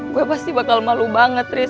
gue pasti bakal malu banget ris